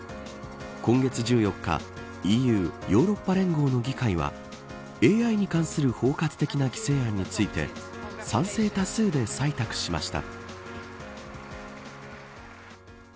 今月１４日ＥＵ、ヨーロッパ連合の議会はＡＩに関する包括的な規制案について賛成多数で採択しました。